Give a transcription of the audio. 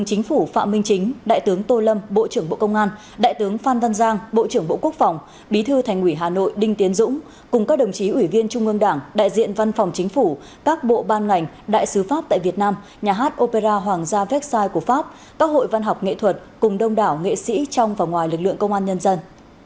chính phủ phạm minh chính đại tướng tô lâm bộ trưởng bộ công an đại tướng phan văn giang bộ trưởng bộ quốc phòng bí thư thành ủy hà nội đinh tiến dũng cùng các đồng chí ủy viên trung ương đảng đại diện văn phòng chính phủ các bộ ban ngành đại sứ pháp tại việt nam nhà hát opera hoàng gia vecsai của pháp các hội văn học nghệ thuật cùng đông đảo nghệ sĩ trong và ngoài lực lượng công an nhân dân